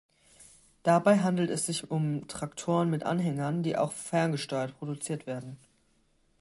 Dabei handelt es sich um Traktoren mit Anhängern, die auch ferngesteuert produziert werden.